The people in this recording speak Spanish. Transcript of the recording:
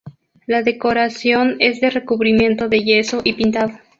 La decoración es de recubrimiento de yeso y pintado.